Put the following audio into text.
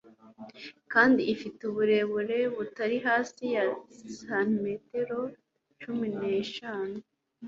kandi ifite uburebure butari hasi ya santimetebo cumi neshanu